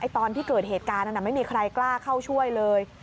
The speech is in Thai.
ตอนที่เกิดเหตุการณ์นั้นไม่มีใครกล้าเข้าช่วยเลย